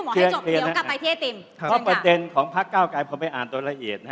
เพราะประเทศของพระเก้ากายพระไออารเตรียมรายละเอียด